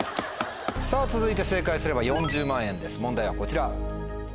続いて正解すれば４０万円です問題はこちら。